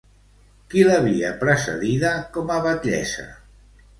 Qui l'havia precedida com a batllessa?